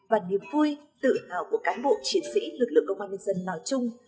và niềm vui tự hào của cán bộ chiến sĩ lực lượng công an nhân dân nói chung